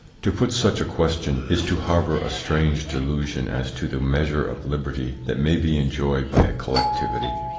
To put such a question is to harbour a strange delusion as to the measure of liberty that may be enjoyed by a collectivity.